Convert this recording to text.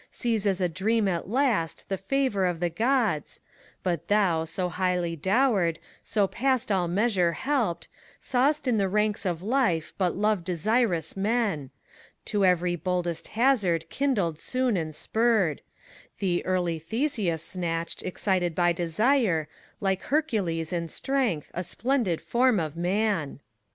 Sees as a dream at last the favor of the Qods, But thou, so highly dowered, so past all measure helped, Saw'st in the ranks of life but love desirous men. 144 FAUST. To every boldest hazard kindled soon and spurred. Thee early Theseus snatched, excited by desire, Like Heracles in strength, a splendid form of man. HELENA.